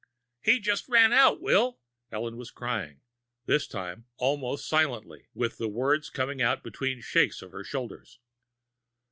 "He just ran out, Will." Ellen was crying, this time almost silently, with the words coming out between shakes of her shoulders.